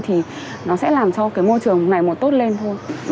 thì nó sẽ làm cho cái môi trường ngày một tốt lên thôi